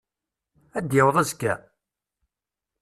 Ad d-yaweḍ azekka?